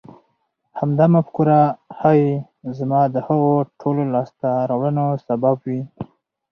همدا مفکوره ښايي زما د هغو ټولو لاسته راوړنو سبب وي.